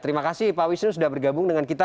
terima kasih pak wisnu sudah bergabung dengan kita